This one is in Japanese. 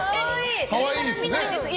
可愛いですね。